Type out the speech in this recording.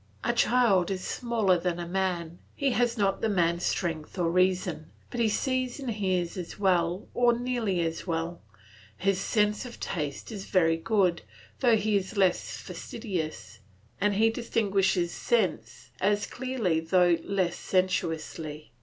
A child is smaller than a man; he has not the man's strength or reason, but he sees and hears as well or nearly as well; his sense of taste is very good, though he is less fastidious, and he distinguishes scents as clearly though less sensuously.